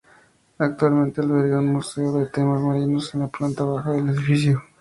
Actualmente alberga un museo de temas marinos en la planta baja del edificio.